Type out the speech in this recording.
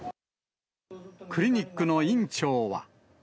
クリニックの院長は。